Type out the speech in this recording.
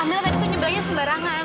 amel tadi tuh nyebrangnya sembarangan